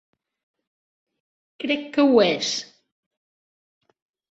Crec que ho és.